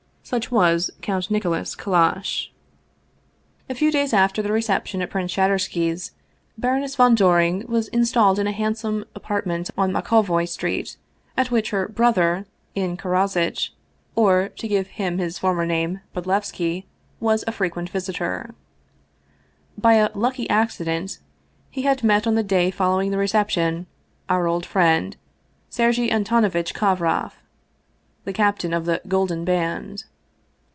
Such was Count Nicholas Kallash. 210 Vsevolod Vladimir ovitch Krestovski A few days after the reception at Prince Shadursky's Baroness von Doring was installed in a handsome apart ment on Mokhovoi Street, at which her " brother," Ian Karozitch, or, to give him his former name, Bodlevski, was a frequent visitor. By a " lucky accident " he had met on the day following the reception our old friend Sergei Antonovitch Kovroff, the " captain of the Golden Band."